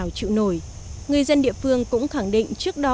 thân kè thì không có vật liệu nào chịu nổi người dân địa phương cũng thẳng định trước đó